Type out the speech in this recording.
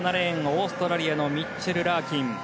オーストラリアのミッチェル・ラーキン。